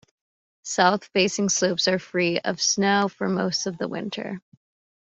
South-facing slopes are free of snow for most of the winter.